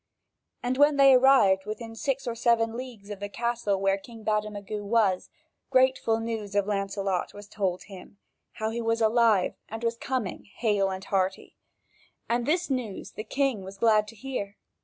And when they arrived within six or seven leagues of the castle where King Bademagu was, grateful news of Lancelot was told him, how he was alive and was coming hale and hearty, and this news the king was glad to hear.